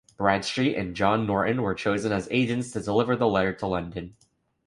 Bradstreet and John Norton were chosen as agents to deliver the letter to London.